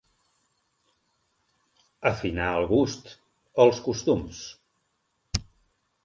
Afinar el gust, els costums.